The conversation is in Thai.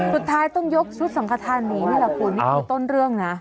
สุดท้ายต้องยกชุดสังขทานหนีนี่แหละคุณนี่คือต้นเรื่องนะ